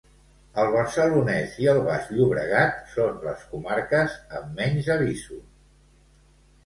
El Barcelonès i el Baix Llobregat són les comarques amb menys avisos.